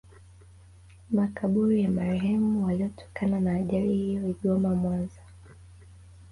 Makaburi ya marehemu waliotokana na ajali hiyo Igoma Mwanza